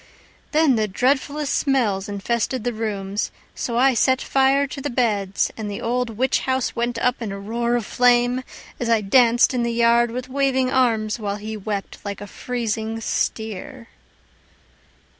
Then the dreadfulest smells infested the rooms. So I set fire to the beds and the old witch house Went up in a roar of flame, As I danced in the yard with waving arms, While he wept like a freezing steer.